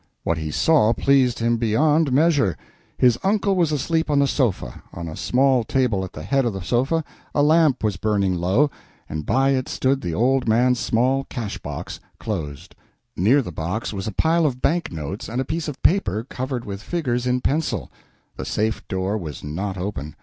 What he saw pleased him beyond measure. His uncle was asleep on the sofa; on a small table at the head of the sofa a lamp was burning low, and by it stood the old man's small tin cash box, closed. Near the box was a pile of bank notes and a piece of paper covered with figures in pencil. The safe door was not open.